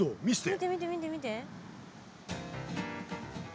見て見て見て見て。